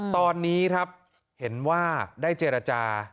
ตอนนี้ครับเห็นว่าได้เจรจา